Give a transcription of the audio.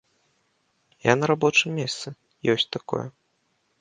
Я на рабочым месцы, ёсць такое.